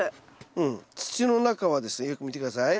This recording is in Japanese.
うん土の中はですねよく見て下さい。